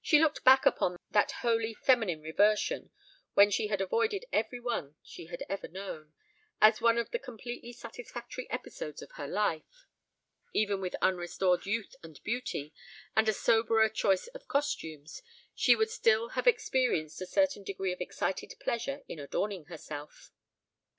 She looked back upon that wholly feminine reversion, when she had avoided every one she had ever known, as one of the completely satisfactory episodes of her life. Even with unrestored youth and beauty, and a soberer choice of costumes, she would still have experienced a certain degree of excited pleasure in adorning herself.